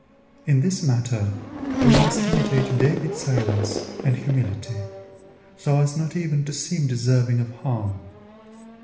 In this matter we must imitate David's silence and humility, so as not even to seem deserving of harm.